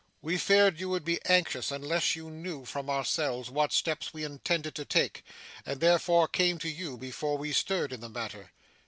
We feared you would be anxious unless you knew from ourselves what steps we intended to take, and therefore came to you before we stirred in the matter.